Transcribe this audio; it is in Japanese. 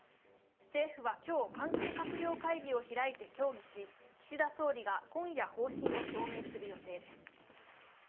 政府は今日、関係閣僚会議を開いて協議し、岸田総理が今夜方針を表明する予定です。